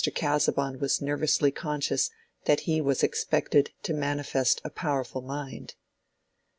Casaubon was nervously conscious that he was expected to manifest a powerful mind.)